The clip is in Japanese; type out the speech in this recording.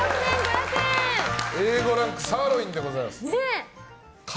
Ａ５ランクサーロインでございます。